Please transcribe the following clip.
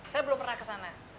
saya belum pernah kesana